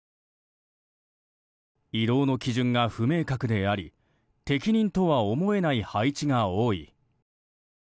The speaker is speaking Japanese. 異動の基準が不明確であり適格とは思えない配置が多い。